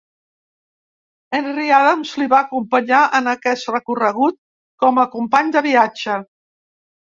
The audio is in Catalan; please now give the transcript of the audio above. Henry Adams li va acompanyar en aquest recorregut com a company de viatge.